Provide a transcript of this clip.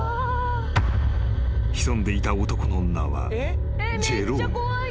［潜んでいた男の名はジェローム］